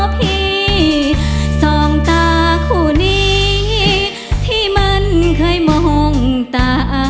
พี่สองตาคู่นี้ที่มันเคยมองตา